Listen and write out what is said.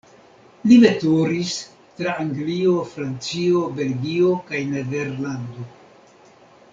Li veturis tra Anglio, Francio, Belgio kaj Nederlando.